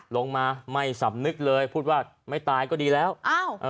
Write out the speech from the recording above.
ลงมาไม่สำนึกเลยพูดว่าไม่ตายก็ดีแล้วอ้าวเออ